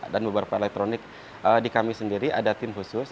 beberapa elektronik di kami sendiri ada tim khusus